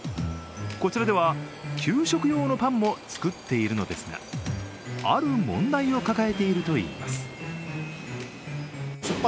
こちらでは、給食用のパンも作っているのですが、ある問題を抱えているといいます。